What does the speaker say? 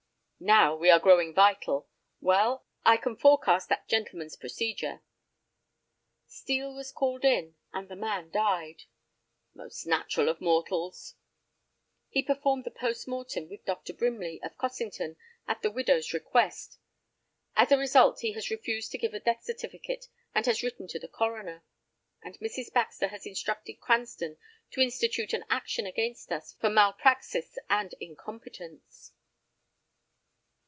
"Now we are growing vital. Well, I can forecast that gentleman's procedure." "Steel was called in, and the man died." "Most natural of mortals!" "He performed a post mortem with Dr. Brimley, of Cossington, at the widow's request. As a result he has refused to give a death certificate and has written to the coroner. And Mrs. Baxter has instructed Cranston to institute an action against us for malpraxis and incompetence."